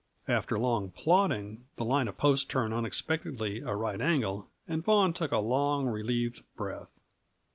After long plodding, the line of posts turned unexpectedly a right angle, and Vaughan took a long, relieved breath.